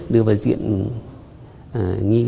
đưa vào diện nghi